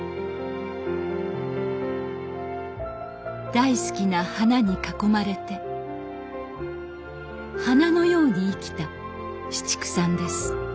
大好きな花に囲まれて花のように生きた紫竹さんです